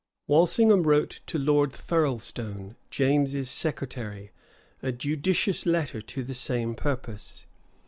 Walsingham wrote to Lord Thirlstone, James's secretary, a judicious letter to the same purpose.